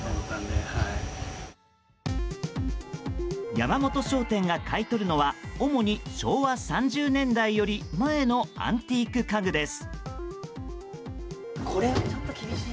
山本商店が買い取るのは主に昭和３０年代より前のアンティーク家具です。